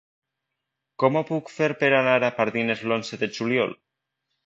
Com ho puc fer per anar a Pardines l'onze de juliol?